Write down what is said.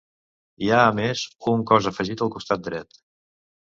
Hi ha a més, un cos afegit al costat dret.